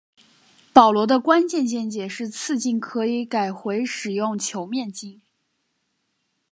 保罗的关键见解是次镜可以改回使用球面镜。